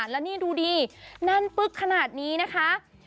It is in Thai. แล้วนี่ดูดิแน่นปึ๊กขนาดนี้นะคะ